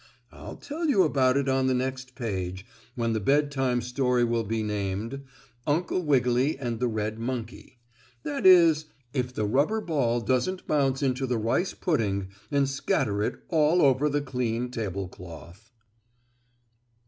I'll tell you about it on the next page, when the Bedtime Story will be named "Uncle Wiggily and the Red Monkey;" that is, if the rubber ball doesn't bounce into the rice pudding and scatter it all over the clean tablecloth.